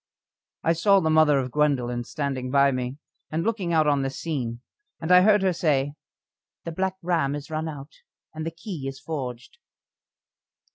I saw the mother of Gwendoline standing by me and looking out on this scene, and I heard her say: "The Black Ram is run out, and the key is forged."